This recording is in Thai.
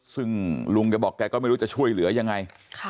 ซึ่งลุงแกบอกแกก็ไม่รู้จะช่วยเหลือยังไง